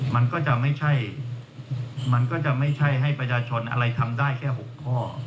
มันก็จะไม่ใช่มันก็จะไม่ใช่ให้ประชาชนอะไรทำได้แค่๖ข้อ